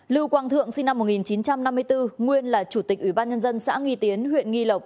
lưu quang thượng sinh năm một nghìn chín trăm năm mươi bốn nguyên là chủ tịch ủy ban nhân dân xã nghi tiến huyện nghi lộc